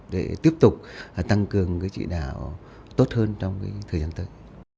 để tiếp tục tăng cường trị đạo tốt hơn trong thời gian tới